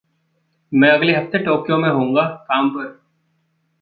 मैं अगले हफ़्ते टोक्यो में हूँगा काम पर।